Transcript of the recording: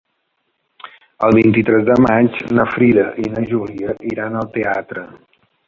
El vint-i-tres de maig na Frida i na Júlia iran al teatre.